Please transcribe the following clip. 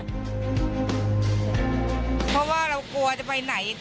เพราะว่าเรากลัวจะไปไหน